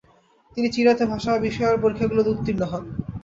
তিনি চিরায়ত ভাষা বিষয়ের পরীক্ষাগুলোতে উত্তীর্ণ হন।